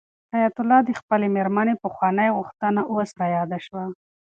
حیات الله ته د خپلې مېرمنې پخوانۍ غوښتنه اوس رایاده شوه.